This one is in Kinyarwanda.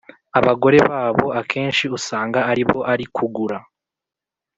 abagore babo akenshi usanga aribo ari kugura